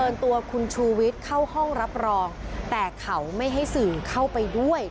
เชิญตัวคุณชูวิทย์เข้าห้องรับรองแต่เขาไม่ให้สื่อเข้าไปด้วย